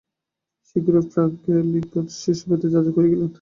শীঘ্রই ফ্রাঙ্ক লিংকনশায়ারের সিবসেতে যাজক হয়ে গেলেন।